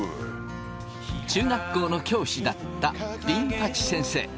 中学校の教師だったビン八先生。